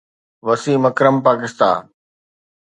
Waseem Akram پاڪستا